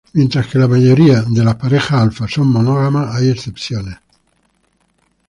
Mientras que la mayoría de las parejas alfa son monógamas, hay excepciones.